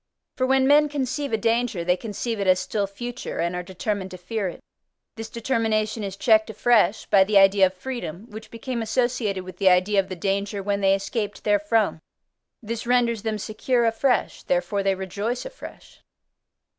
For when men conceive a danger, they conceive it as still future, and are determined to fear it; this determination is checked afresh by the idea of freedom, which became associated with the idea of the danger when they escaped therefrom: this renders them secure afresh: therefore they rejoice afresh.